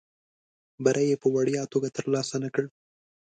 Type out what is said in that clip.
بری یې په وړیا توګه ترلاسه نه کړ.